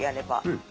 うん。